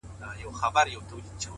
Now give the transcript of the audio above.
مهرباني د زړونو واټن لنډوي؛